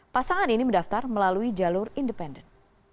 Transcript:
pasangan ini mendaftar melalui jalur independen